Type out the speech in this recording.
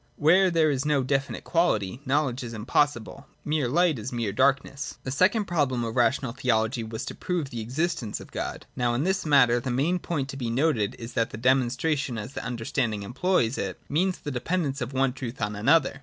Where there is no definite quality, know ledge is impossible. Mere light is mere darkness. The second problem of rational theology was to prove the existence of God. Now, in this matter, the main point to be noted is that demonstration, as the understanding employs it, means the dependence of one truth on another.